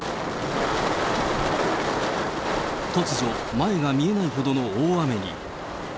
突如、前が見えないほどの大雨に。